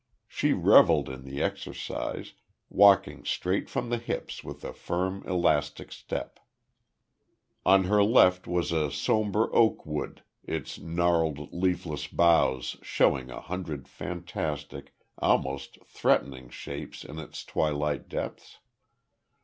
She revelled in the exercise, walking straight from the hips with a firm elastic step. On her left was a sombre oak wood, its gnarled leafless boughs showing a hundred fantastic almost threatening shapes in its twilight depths.